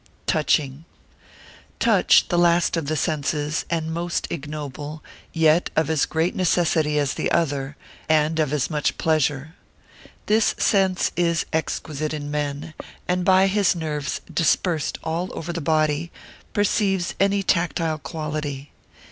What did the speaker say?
Touching.] Touch, the last of the senses, and most ignoble, yet of as great necessity as the other, and of as much pleasure. This sense is exquisite in men, and by his nerves dispersed all over the body, perceives any tactile quality.